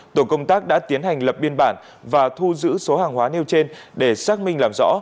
tổ công tác đã tiến hành lập biên bản và thu giữ số hàng hóa nêu trên để xác minh làm rõ